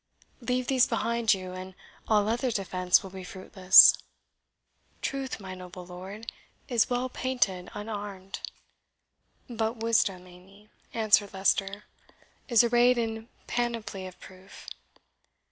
Leave these behind you, and all other defence will be fruitless. Truth, my noble lord, is well painted unarmed." "But Wisdom, Amy," answered Leicester, "is arrayed in panoply of proof.